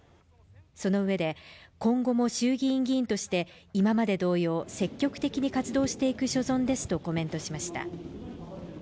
そのうえで、今後も衆議院議員として今まで同様、積極的に活動していく所存ですとコメントしました。